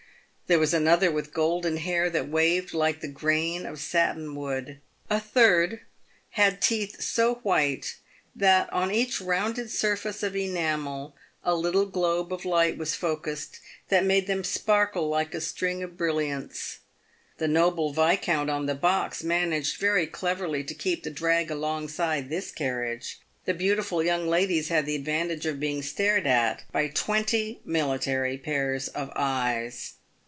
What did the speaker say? There was J. another with golden hair that waved like the grain of satin w T ood. A third had teeth so white that on each rounded surface of enamel a little globe of light was focused that made them sparkle like a string of brilliants. The noble viscount on the box managed very cleverly to keep the drag alongside this carriage. The beautiful young ladies had the advantage of being stared at by twenty military pairs of eyes.